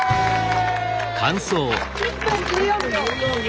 １分１４秒。